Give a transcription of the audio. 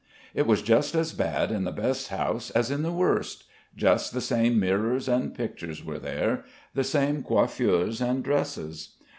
It was just as bad in the best house as in the worst. Just the same mirrors and pictures were here, the same coiffures and dresses.